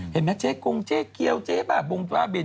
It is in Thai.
เห็นไหมเจ๊กรุงเจ๊เกียวเจ๊บาหะบุรีตัวบิน